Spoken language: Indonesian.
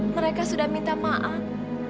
mereka sudah minta maaf